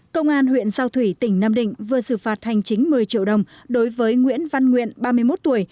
công an huyện giao thủy tỉnh nam định vừa xử phạt hành chính một mươi triệu đồng đối với nguyễn văn nguyện ba mươi một tuổi